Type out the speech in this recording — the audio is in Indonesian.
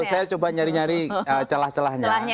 saya coba nyari nyari celah celahnya